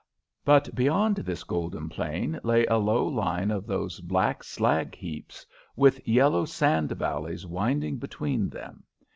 But beyond this golden plain lay a low line of those black slag heaps, with yellow sand valleys winding between them.